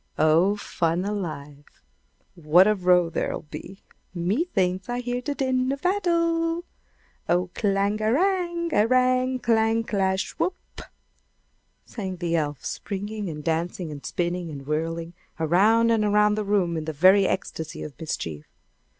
Oh, fun alive! What a row there'll be! Me thinks I hear the din of battle! "Oh clanga a rang! a rang! clang! clash! Whoop!" sang the elf, springing and dancing, and spinning, and whirling, around and around the room in the very ecstasy of mischief.